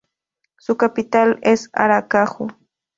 Su capital es Aracaju.